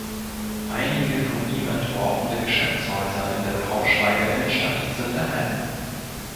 Einige von ihm entworfene Geschäftshäuser in der Braunschweiger Innenstadt sind erhalten.